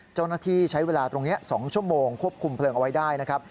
เจ้าหน้าที่ใช้เวลาตรงนี้๒ชั่วโมงควบคุมเพลิงเอาไว้ได้นะครับ